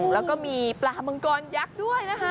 แล้วก็มีปลามังกรยักษ์ด้วยนะคะ